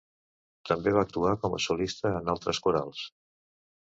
També va actuar com a solista en altres corals.